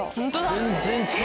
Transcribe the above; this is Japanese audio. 全然違う。